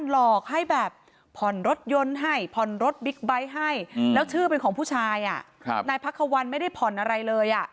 แล้วชื่อเป็นของผู้ชายนายพักขวัญไม่ได้ผ่อนอะไรเลย